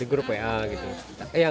di grup wa gitu